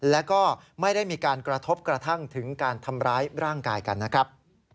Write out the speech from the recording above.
แล้วก็ไม่ได้มีการกระทบกระทั่งถึงการทำร้ายร่างกายกันนะครับ